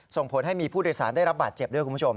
ส่งผลให้มีผู้โดยสารได้รับบาดเจ็บด้วยคุณผู้ชม